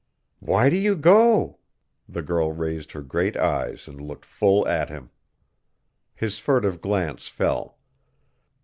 "Why do you go?" The girl raised her great eyes and looked full at him. His furtive glance fell.